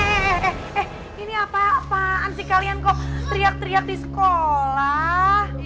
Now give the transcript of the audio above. eh eh eh eh eh eh ini apa apaan sih kalian kok teriak teriak di sekolah